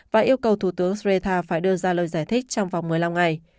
và yêu cầu thủ tướng sreta phải đưa ra lời giải thích trong vòng một mươi năm ngày